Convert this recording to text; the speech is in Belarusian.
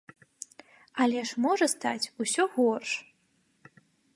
Але ж можа стаць усё горш.